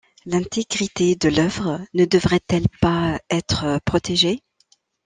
L’intégrité de l’œuvre ne devrait-elle pas être protégée?